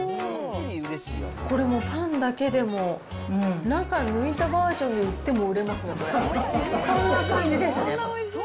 これもう、パンだけでも、中抜いたバージョン売っても、売れそんな感じですね。